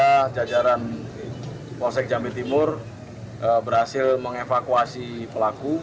pada jajaran polsek jambe timur berhasil mengevakuasi pelaku